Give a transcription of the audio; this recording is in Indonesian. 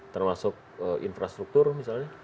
termasuk infrastruktur misalnya